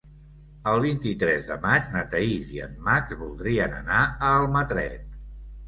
El vint-i-tres de maig na Thaís i en Max voldrien anar a Almatret.